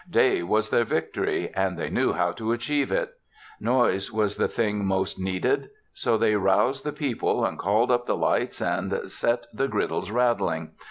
Day was their victory and they knew how to achieve it. Noise was the thing most needed. So they roused the people and called up the lights and set the griddles rattling.